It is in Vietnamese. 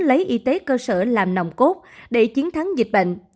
lấy y tế cơ sở làm nòng cốt để chiến thắng dịch bệnh